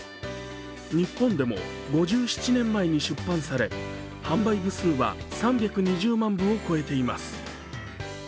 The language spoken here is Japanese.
日本でも５７年前に出版され販売部数は３２０万部を超えています